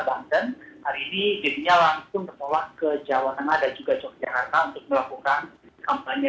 banten hari ini dirinya langsung bertolak ke jawa tengah dan juga yogyakarta untuk melakukan kampanye